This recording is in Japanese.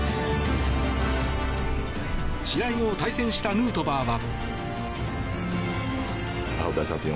試合後対戦したヌートバーは。